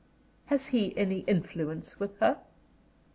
"Has he any influence with her?"